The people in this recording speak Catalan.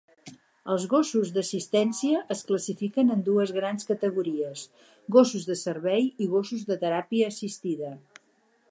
Els gossos d'assistència es classifiquen en dues grans categories: gossos de servei i gossos de teràpia assistida.